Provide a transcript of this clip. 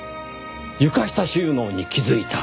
床下収納に気づいた。